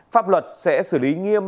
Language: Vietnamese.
pháp luật sẽ xử lý nghiêm